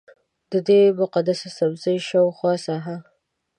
ددې مقدسې څمڅې شاوخوا ساحه.